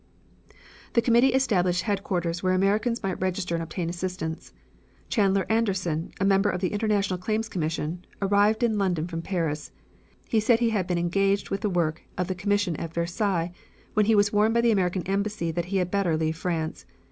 The committee established headquarters where Americans might register and obtain assistance. Chandler Anderson, a member of the International Claims Commission, arrived in London from Paris. He said he had been engaged with the work of the commission at Versailles, when he was warned by the American embassy that he had better leave France.